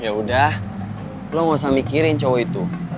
ya udah lo gak usah mikirin cowok itu